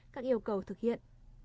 các yêu cầu thực hiện